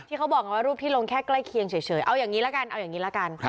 เขาบอกว่ารูปที่ลงแค่ใกล้เคียงเฉยเอาอย่างนี้ละกันเอาอย่างนี้ละกัน